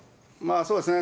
そうですね。